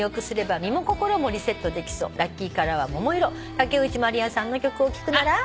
竹内まりやさんの曲を聴くなら？